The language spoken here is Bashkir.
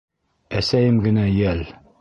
Әсәйем генә йәл.